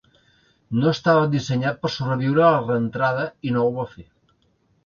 No estava dissenyat per sobreviure a la reentrada, i no ho va fer.